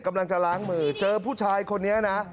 กำลังจะล้างมือเจอผู้ชายคนนี้นะ